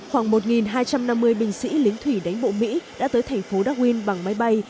khoảng một hai trăm năm mươi binh sĩ lính thủy đánh bộ mỹ đã tới thành phố dakwin bằng máy bay